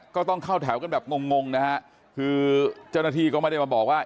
ก็ต้องเข้าแถวกันแบบงงนะฮะคือเจ้าหน้าที่ก็ไม่ได้มาบอกว่า